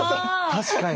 確かに。